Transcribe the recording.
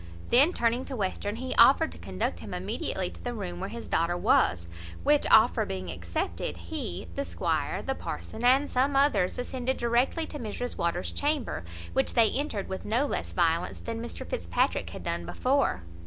Then, turning to Western, he offered to conduct him immediately to the room where his daughter was; which offer being accepted, he, the squire, the parson, and some others, ascended directly to Mrs Waters's chamber, which they entered with no less violence than Mr Fitzpatrick had done before.